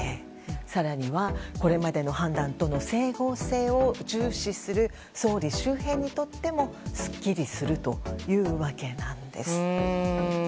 更には、これまでの判断との整合性を重視する総理周辺にとってもすっきりするというわけです。